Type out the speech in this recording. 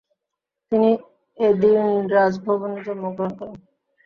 তিনি এদির্ন রাজভবনে জন্ম গ্রহণ করেন।